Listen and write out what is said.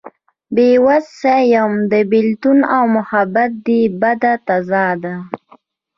بې وس يم د بيلتون او محبت دې بد تضاد ته